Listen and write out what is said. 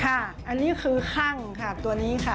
อันนี้คือคั่งค่ะตัวนี้ค่ะ